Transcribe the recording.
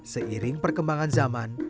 seiring perkembangan zaman